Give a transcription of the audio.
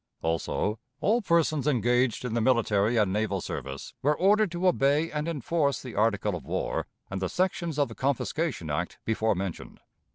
Also, all persons engaged in the military and naval service were ordered to obey and enforce the article of war and the sections of the confiscation act before mentioned.